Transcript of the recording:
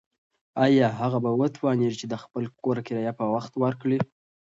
ایا هغه به وتوانیږي چې د خپل کور کرایه په وخت ورکړي؟